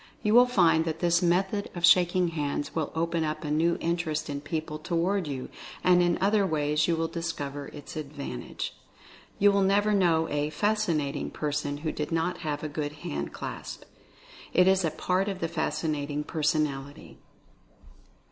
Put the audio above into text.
You will find that this method of shaking hands will open up a new interest in people toward you, and in other ways you will discover its advantage. You never knew a "fascinating" person who did not have a good hand clasp. It is a part of the fascinating per sonality.